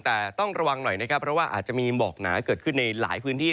แต่ต้องระวังหน่อยนะครับเพราะว่าอาจจะมีหมอกหนาเกิดขึ้นในหลายพื้นที่